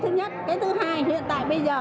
cái thứ hai hiện tại bây giờ